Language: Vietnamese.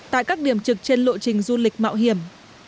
tại các điểm trực trên lộ trình du lịch mạo hiểm